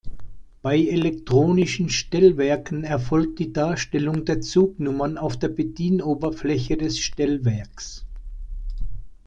Bei Elektronischen Stellwerken erfolgt die Darstellung der Zugnummern auf der Bedienoberfläche des Stellwerks.